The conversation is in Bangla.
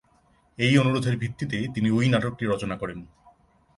এই অনুরোধের ভিত্তিতে তিনি ঐ নাটকটি রচনা করেন।